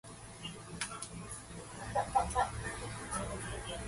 The novel is based on the author's real life experience.